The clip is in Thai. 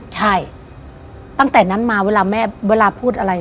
ใช่ตั้งแต่นั้นมาเวลาแม่เวลาพูดอะไร